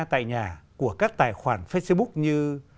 tại nhà của các tài khoản facebook như